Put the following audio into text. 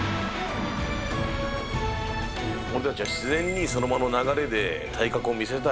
俺たちは自然にその場の流れで、体格を見せたい。